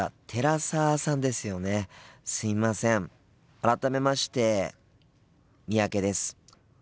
改めまして三宅です。